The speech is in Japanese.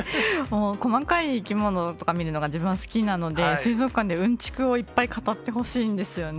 細かい生き物とかを見るのが自分は好きなので、水族館でうんちくをいっぱい語ってほしいんですよね。